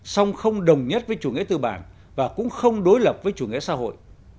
song không đồng nhất với chủ nghĩa tư bản và cũng không đối lập với chủ nghĩa xã hội